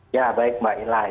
ya baik mbak ilah